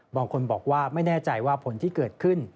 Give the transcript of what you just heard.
บางคนบอกว่าไม่แน่ใจว่าผลที่เกิดขึ้น